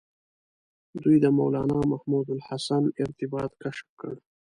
دوی د مولنا محمود الحسن ارتباط کشف کړ.